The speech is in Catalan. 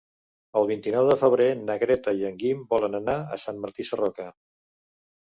El vint-i-nou de febrer na Greta i en Guim volen anar a Sant Martí Sarroca.